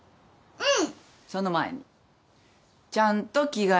うん。